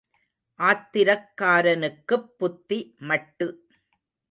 ஆத்திரக்காரனுக்குப் புத்தி மட்டு.